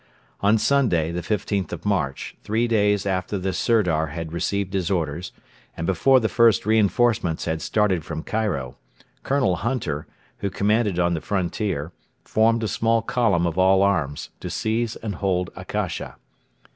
On Sunday, the 15th of March, three days after the Sirdar had received his orders, and before the first reinforcements had started from Cairo, Colonel Hunter, who commanded on the frontier, formed a small column of all arms to seize and hold Akasha.